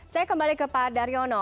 saya kembali ke pak daryono